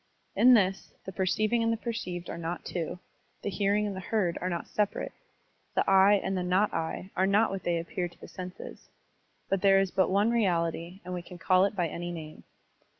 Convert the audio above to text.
In this, the perceiving and the perceived are not two, the hearing and the heard are not separate, the "I" and the not I '* are not what they appear to the senses. But there is but one reality and we can call it by any name.